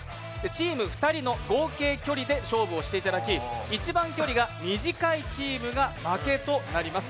チーム２人の合計距離で勝負していただき一番距離が短いチームが負けとなります。